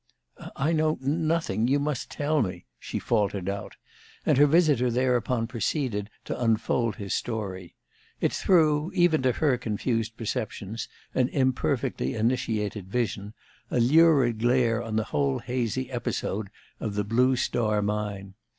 "I know nothing you must tell me," she faltered out; and her visitor thereupon proceeded to unfold his story. It threw, even to her confused perceptions, and imperfectly initiated vision, a lurid glare on the whole hazy episode of the Blue Star Mine.